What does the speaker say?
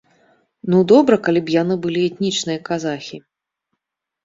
Ну добра, калі б яны былі этнічныя казахі.